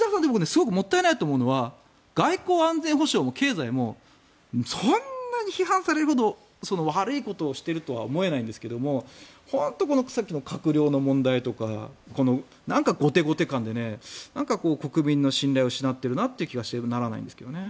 すごくもったいないと思うのは外交・安全保障も経済もそんなに批判されるほど悪いことをしているとは思えないんですけれど本当にさっきの閣僚の問題とか後手後手感で国民の信頼を失っているという気がしてならないんですよね。